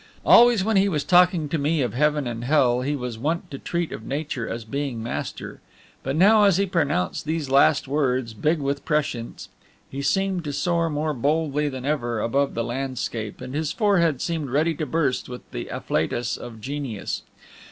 Always when he was talking to me of Heaven and Hell, he was wont to treat of Nature as being master; but now, as he pronounced these last words, big with prescience, he seemed to soar more boldly than ever above the landscape, and his forehead seemed ready to burst with the afflatus of genius.